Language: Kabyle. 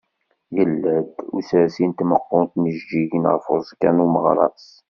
Yella-d usersi n tmeqqunt n yijeǧǧigen ɣef uẓekka n umeɣras.